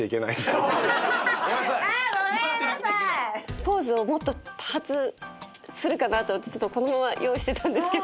ポーズがもっと多発するかなと思ってこのまま用意してたんですけど。